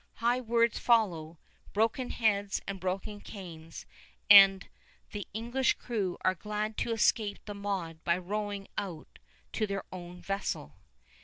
High words follow, broken heads and broken canes, and the English crew are glad to escape the mob by rowing out to their own vessel.